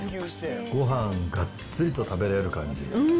ごはん、がっつりと食べられる感じ。